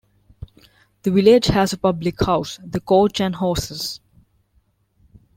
The village has a public house: "The Coach and Horses".